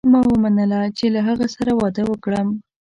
ما ومنله چې له هغه سره واده وکړم.